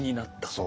そう。